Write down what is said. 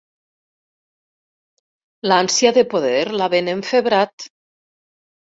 L'ànsia de poder l'ha ben enfebrat.